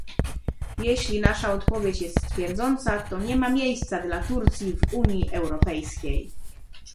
Jeżeli nasza odpowiedź jest twierdząca, to nie ma miejsca dla Turcji w Unii Europejskiej